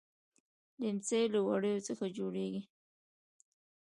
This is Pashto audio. ليمڅی له وړيو څخه جوړيږي.